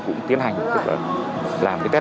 cũng tiến hành làm cái test